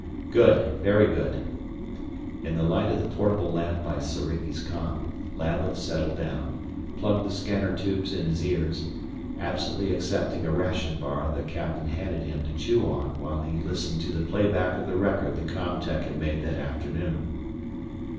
"Good, very good!" In the light of the portable lamp by Soriki's com, Lablet settled down, plugged the scanner tubes in his ears, absently accepting a ration bar the captain handed him to chew on while he listened to the playback of the record the com tech had made that afternoon.